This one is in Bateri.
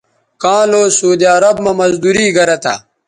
کاں لو سعودی عرب مہ مزدوری گرہ تھہ